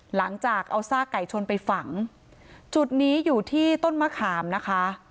หลังจากเอาซากไก่ชนไปฝังจุดนี้อยู่ที่ต้นมะขามนะคะ